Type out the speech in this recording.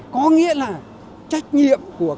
có nghĩa là trách nhiệm của các